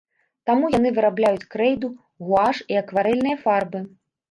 Таму яны вырабляюць крэйду, гуаш і акварэльныя фарбы.